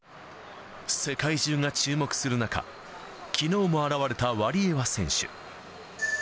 世界中が注目する中、きのうも現れたワリエワ選手。